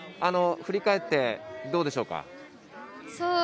振り返って、どうでしょうか。